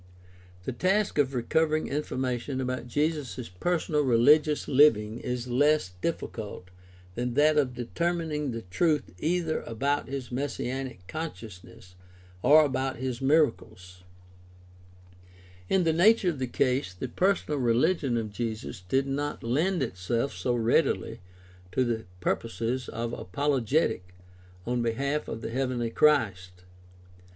— The task of recovering information about Jesus' personal rehgious Hving is less difl&cult than that of determining the truth either about his messianic consciousness or about his miracles. In the nature of the case the personal religion of Jesus did not lend 266 GUIDE TO STUDY OF" CHRISTIAN RELIGION itself so readily to the purposes of apologetic on behalf of the heavenly Christ.